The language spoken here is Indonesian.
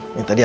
aku gak mau